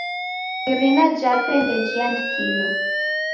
Irina jape ndejiandikilo.